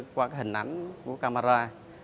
qua hình ảnh của camera